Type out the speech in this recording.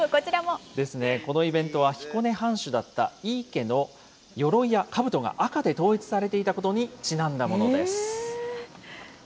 ですね、このイベントは、彦根藩主だった井伊家のよろいやかぶとが赤で統一されていたことにちなんだものです。